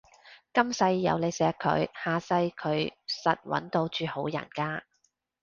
今世有你錫佢，下世佢實搵到住好人家